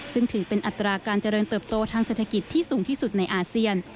ซึ่งถือเป็นอัตราการเจริญเติบโตทางเศรษฐกิจที่สูงที่สุดในอาเซียน